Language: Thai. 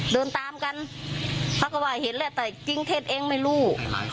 เดินตามกันเขาก็ว่าเห็นแล้วแต่จริงเท็จเองไม่รู้